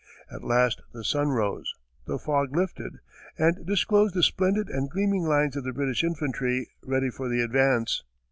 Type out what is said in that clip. At last the sun rose, the fog lifted, and disclosed the splendid and gleaming lines of the British infantry, ready for the advance.